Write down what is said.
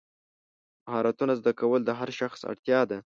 مهارتونه زده کول د هر شخص اړتیا ده.